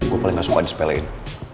gue paling gak suka disepelein